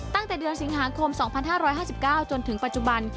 ตั้งแต่เดือนสิงหาคม๒๕๕๙จนถึงปัจจุบัน